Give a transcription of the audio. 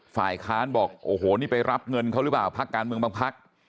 ฝ่ายค้านบอกโอ้โหนี่ไปรับเงินเขาหรือเปล่าพักการเมืองบางพัก